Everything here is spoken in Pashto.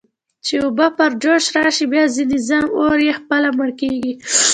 چې اوبه پر جوش راشي، بیا ځنې ځم، اور یې خپله مړ کېږي.